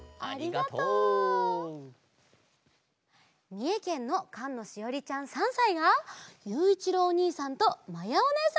みえけんのかんのしおりちゃん３さいがゆういちろうおにいさんとまやおねえさんをかいてくれました！